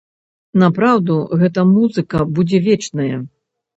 Напраўду, гэта музыка будзе вечная.